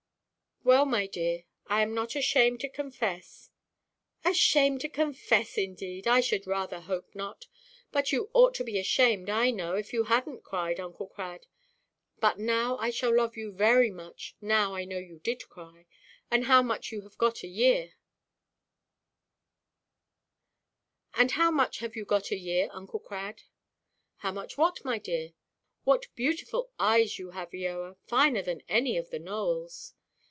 "Well, my dear, I am not ashamed to confess——" "Ashamed to confess, indeed! I should rather hope not. But you ought to be ashamed, I know, if you hadnʼt cried, Uncle Crad. But now I shall love you very much, now I know you did cry. And how much have you got a year, Uncle Crad?" "How much what, my dear? What beautiful eyes you have, Eoa; finer than any of the Nowells!"